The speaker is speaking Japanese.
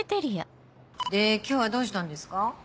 で今日はどうしたんですか？